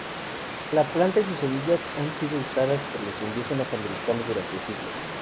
La planta y sus semillas han sido usadas por los indígenas americanos durante siglos.